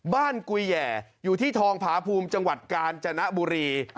กุยแหย่อยู่ที่ทองผาภูมิจังหวัดกาญจนบุรี